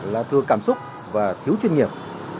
là thưa cảm xúc và thiếu chuyên nghiệp